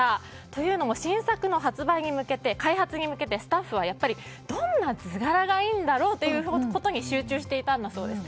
というのも新作の開発・発売に向けてスタッフがどんな図柄がいいんだろうということに集中していたんだそうです。